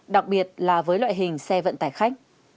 đặc biệt là với loại hình xe vận tải khách